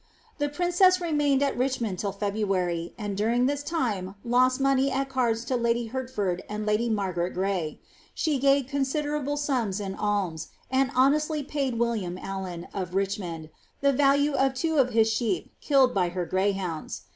The princess remained at Richmond till February, and during this time lost monev at cards to ladv Hertford and ladv Mar^ret Gray. She •*•_• gave considerable sums in alms, and honestly paid William Allen, of Richmond, the value of two of his sheep killed by her greyhounds.